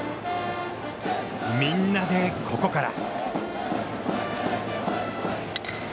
みんなで、ここから。